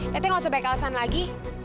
tete gak usah baik alasan lagi